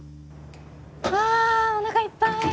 あおなかいっぱい！